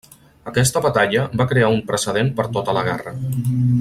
Aquesta batalla va crear un precedent per tota la guerra.